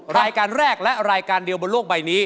รายการแรกและรายการเดียวบนโลกใบนี้